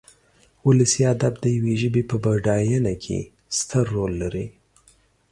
ولسي ادب د يوې ژبې په بډاينه کې ستر رول لري.